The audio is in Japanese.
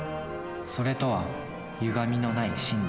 「それ」とはゆがみのない真理。